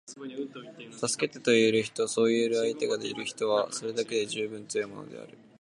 「助けて」と言える人，そう言える相手がいる人は，それだけで十分強いのである．